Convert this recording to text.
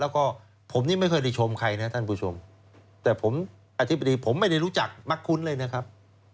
แล้วก็ผมนี่ไม่เคยได้ชมใครนะท่านผู้ชมแต่ผมอธิบดีผมไม่ได้รู้จักมักคุ้นเลยนะครับ